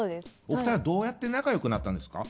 お二人はどうやって仲良くなったんですか？